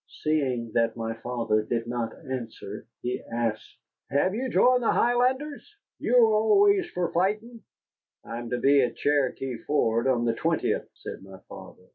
Seeing that my father did not answer, he asked: "Have you joined the Highlanders? You were always for fighting." "I'm to be at Cherokee Ford on the twentieth," said my father.